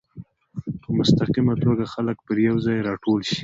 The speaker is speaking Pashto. په مستقیمه توګه خلک پر یو ځای راټول شي.